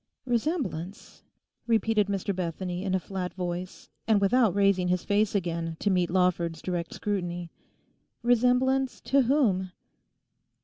'Resemblance?' repeated Mr Bethany in a flat voice, and without raising his face again to meet Lawford's direct scrutiny. 'Resemblance to whom?